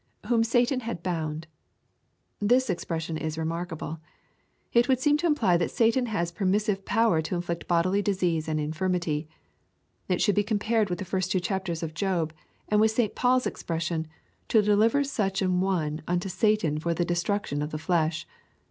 .124 EXPOSITORY THOUGHTS. [WTicm Satan hath hound,] This expression is remarkable. It would seem I/O imply tliat Satan has a permissive power te inflict bodily disease and infirmity. It should be compared with the first two chapters of Job, and with St Paul's expression, " to dehver such an one unto Satan for the destruction of the fiesh."